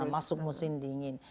masuk musim dingin